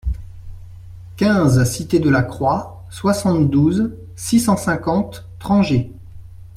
quinze cité de la Croix, soixante-douze, six cent cinquante, Trangé